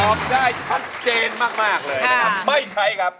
ได้ชัดเจนมากมากเลยนะครับไม่ใช้ครับ